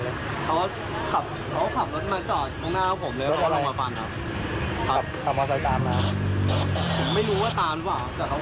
รอบรับบอสไซครับหลับพัดเราขึ้นไปปัดเลย